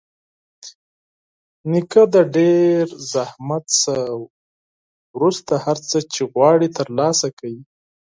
نیکه د ډېر زحمت نه وروسته هر څه چې غواړي ترلاسه کوي.